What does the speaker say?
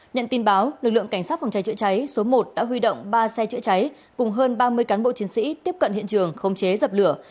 nhận tin báo lực lượng cảnh sát phòng cháy chữa cháy số một đã huy động ba xe chữa cháy cùng hơn ba mươi cán bộ chiến sĩ tiếp cận hiện trường không chế dập lửa